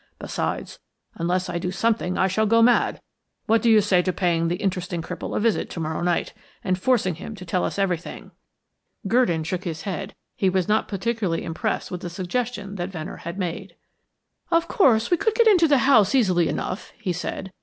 Besides, unless I do something I shall go mad. What do you say to paying the interesting cripple a visit to morrow night, and forcing him to tell us everything?" Gurdon shook his head; he was not particularly impressed with the suggestion that Venner had made. "Of course, we could get into the house easily enough," he said.